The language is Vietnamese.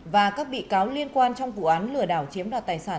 và các bị cáo liên quan trong vụ án lừa đảo chiếm đoạt tài sản